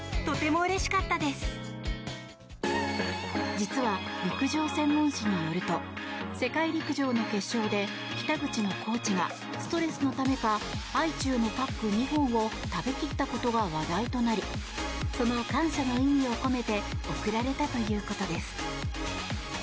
実は陸上専門誌によると世界陸上の決勝で北口のコーチがストレスのためかハイチュウのパック２本を食べ切ったことが話題となりその感謝の意味を込めて贈られたということです。